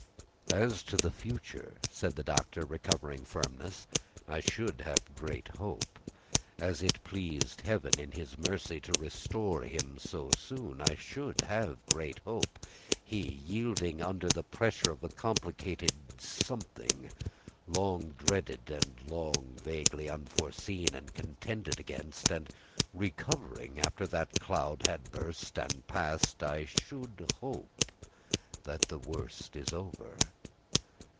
"As to the future," said the Doctor, recovering firmness, "I should have great hope. As it pleased Heaven in its mercy to restore him so soon, I should have great hope. He, yielding under the pressure of a complicated something, long dreaded and long vaguely foreseen and contended against, and recovering after the cloud had burst and passed, I should hope that the worst was over."